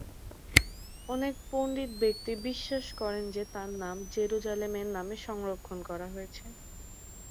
অনেক পণ্ডিত ব্যক্তি বিশ্বাস করেন যে তার নাম জেরুজালেমের নামে সংরক্ষণ করা হয়েছে।